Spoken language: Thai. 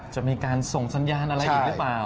จะมีการส่งสัญญาณอะไรอีกหรือเปล่า